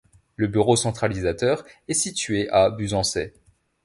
Le bureau centralisateur est situé à Buzançais.